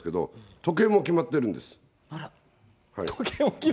時計も決まってるんですか？